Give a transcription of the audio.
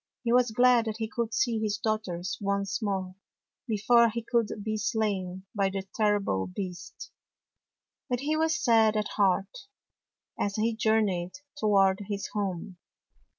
He was glad that he could see his daughters once more, before he should be slain by the terrible beast. But he was sad at heart as he jour neyed toward his home.